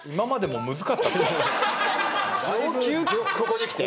ここにきて？